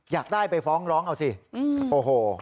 อยากได้ไปฟ้องร้องเอาสิโอ้โห